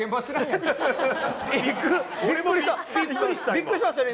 びっくりしましたよね。